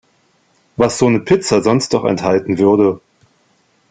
Was so 'ne Pizza sonst noch enthalten würde.